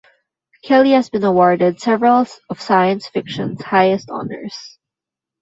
Kelly has been awarded several of science fiction's highest honors.